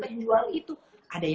pengen jual mobilnya